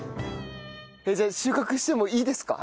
じゃあ収穫してもいいですか？